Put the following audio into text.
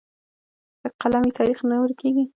که قلم وي نو تاریخ نه ورکېږي.